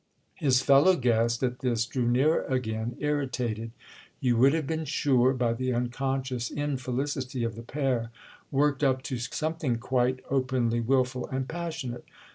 His fellow guest, at this, drew nearer again, irritated, you would have been sure, by the unconscious infelicity of the pair—worked up to something quite openly wilful and passionate.